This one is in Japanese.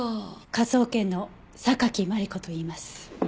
科捜研の榊マリコといいます。